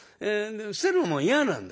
捨てるのも嫌なんだ。